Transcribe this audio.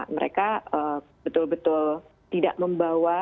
mereka betul betul tidak membawa